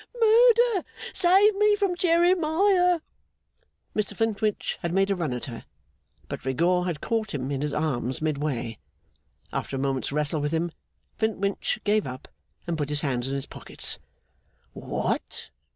Murder! Save me from Jere mi ah!' Mr Flintwinch had made a run at her, but Rigaud had caught him in his arms midway. After a moment's wrestle with him, Flintwinch gave up, and put his hands in his pockets. 'What!